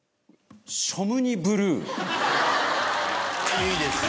いいですね。